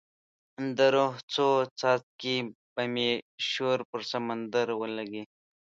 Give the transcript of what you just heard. د روح څو څاڅکي به مې شور پر سمندر ولیکې